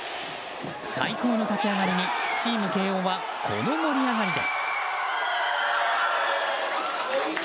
最高の立ち上がりにチーム慶應はこの盛り上がりです。